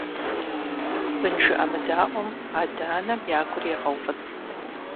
Бын жыӀэмыдаӀуэм адэ-анэм я гур егъэуфӀыцӀ.